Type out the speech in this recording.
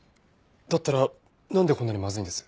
だったらなんでこんなにまずいんです？